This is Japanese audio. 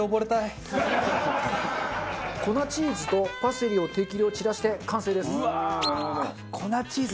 粉チーズとパセリを適量散らして完成です。